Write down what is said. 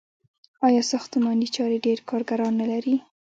آیا ساختماني چارې ډیر کارګران نلري؟